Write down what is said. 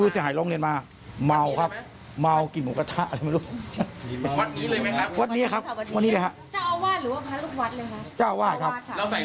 เจ้าอาวาทครับ